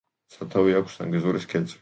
სათავე აქვს ზანგეზურის ქედზე.